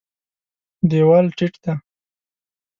دېوال ټیټ دی.